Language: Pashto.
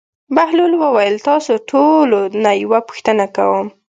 بهلول وویل: تاسو ټولو نه یوه پوښتنه کوم.